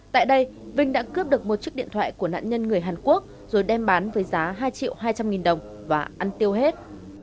tại đây vinh đã cướp được một chiếc điện thoại của nạn nhân người hàn quốc rồi đem bán với giá hai triệu hai trăm linh nghìn đồng và ăn tiêu hết